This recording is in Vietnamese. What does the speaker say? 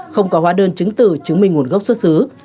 không có hóa đơn chứng từ chứng minh nguồn gốc xuất xứ